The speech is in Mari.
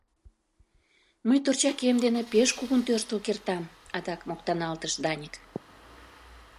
— Мый торчакем дене пеш кугун тӧрштыл кертам, - адак моктаналтыш Даник.